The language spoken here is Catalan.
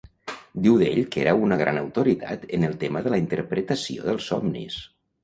Diu d'ell que era una gran autoritat en el tema de la interpretació dels somnis.